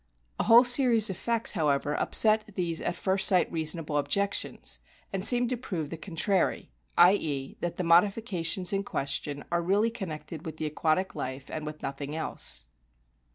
A whole series of facts, however, upset these at first sight reasonable objections, and seem to prove the contrary, i.e., that the modifications in question are really connected with the aquatic life, and with nothing else.